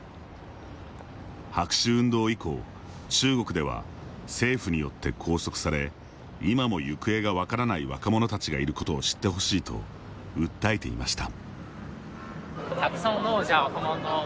白紙運動以降、中国では政府によって拘束され今も行方が分からない若者たちがいることを知ってほしいと訴えていました。